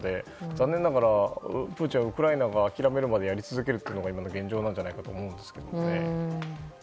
残念ながらプーチンはウクライナが諦めるまでやり続けるというのが今の現状なんじゃないかと思うんですけどね。